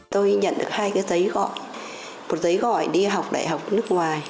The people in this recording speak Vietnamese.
tôi nhận được hai cái giấy gọi một giấy gọi đi học đại học nước ngoài